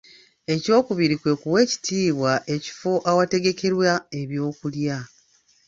Ekyokubiri kwe kuwa ekitiibwa ekifo ewategekerwa ebyokulya.